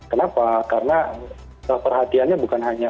kenapa karena perhatiannya bukan hanya